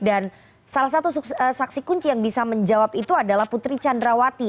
dan salah satu saksi kunci yang bisa menjawab itu adalah putri candrawati